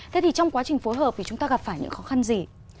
thế thì trong quá trình phối hợp thì chúng ta gặp phải những khó khăn gì